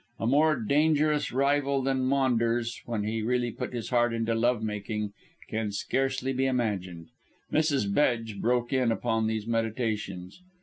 A more dangerous rival than Maunders, when he really put his heart into love making, can scarcely be imagined. Mrs. Bedge broke in upon these meditations.